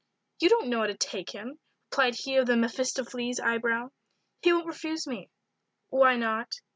"You don't know how to take him," replied he of the Mephistopheles eye brow. "He won't refuse me." "Why not?"